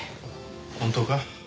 本当か？